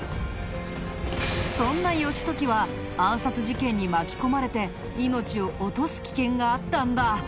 そんな義時は暗殺事件に巻き込まれて命を落とす危険があったんだ。